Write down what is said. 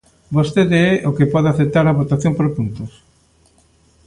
Vostede é o que pode aceptar a votación por puntos.